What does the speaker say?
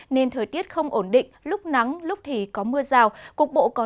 nên thời tiết không ổn định lúc nắng lúc thì có mưa rào